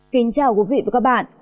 kính chào quý vị và các bạn